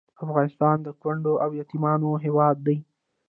افغانستان د کونډو او یتیمانو هیواد دی